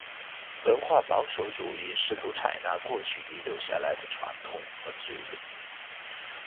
文化保守主义试图采纳过去遗留下来的传统和制度。